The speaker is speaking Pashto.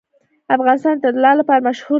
افغانستان د طلا لپاره مشهور دی.